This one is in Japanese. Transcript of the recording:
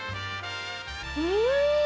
うん！